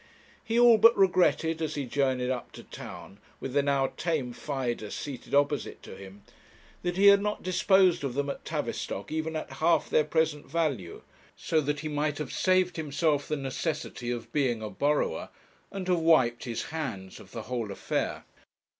He all but regretted, as he journeyed up to town, with the now tame Fidus seated opposite to him, that he had not disposed of them at Tavistock even at half their present value, so that he might have saved himself the necessity of being a borrower, and have wiped his hands of the whole affair.